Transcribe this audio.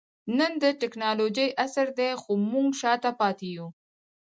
نن د ټکنالوجۍ عصر دئ؛ خو موږ شاته پاته يو.